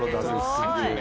すげえな」